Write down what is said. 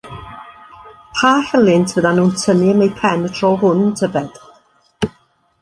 Pa helynt fyddan nhw'n tynnu am eu pen y tro hwn, tybed?